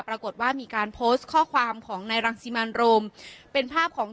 ปรากฏว่ามีการโพสต์ข้อความของนายรังสิมันโรมเป็นภาพของ